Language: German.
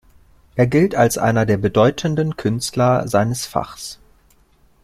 Er gilt als einer der bedeutenden Künstler seines Fachs.